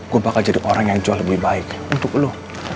gue bakal jadi orang yang jual lebih baik untuk lo